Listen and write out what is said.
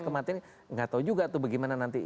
kematiannya enggak tahu juga tuh bagaimana nanti